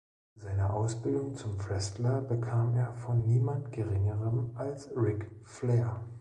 Seine Ausbildung zum Wrestler bekam er von niemand geringerem als Ric Flair.